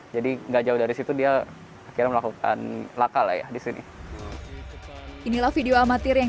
jadi enggak jauh dari situ dia akhir melakukan laka layak di sini inilah video amatir yang